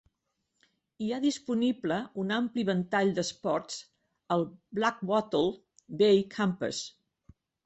Hi ha disponible un ampli ventall d'esports al Blackwattle Bay Campus.